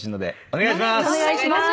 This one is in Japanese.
お願いします！